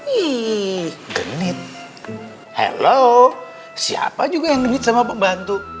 apa kata tetangga ente malu atau pak iih genit hello siapa juga yang genit sama pembantu